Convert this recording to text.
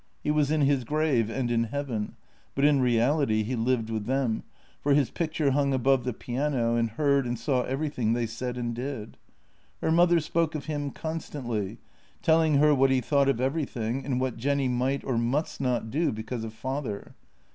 He was in his grave and in heaven, but in reality he lived with them, for his picture hung above the piano and heard and saw everything they said and did. Her mother spoke of him constantly, telling her what he thought of everything and what Jenny might or must not do because of father.